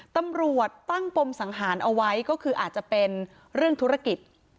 ตำรวจตั้งปมสังหารเอาไว้ก็คืออาจจะเป็นเรื่องธุรกิจ